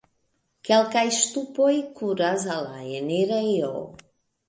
Kelkaj ŝtupoj kuras al la enirejo.